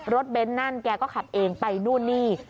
เบ้นนั่นแกก็ขับเองไปนู่นนี่